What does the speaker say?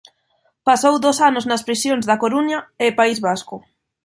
Pasou dous anos nas prisións da Coruña e País Vasco.